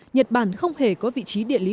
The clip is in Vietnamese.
nhật bản không hề có vị trí địa lý